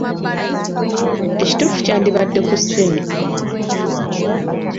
Ekituufu kyandibadde ‘ku ssimu.’